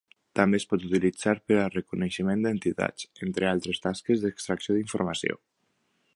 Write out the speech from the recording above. També es pot utilitzar per a reconeixement d'entitats, entre altres tasques d'extracció d'informació.